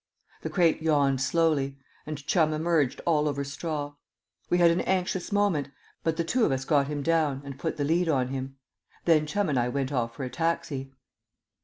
The crate yawned slowly, and Chum emerged all over straw. We had an anxious moment, but the two of us got him down and put the lead on him. Then Chum and I went off for a taxi.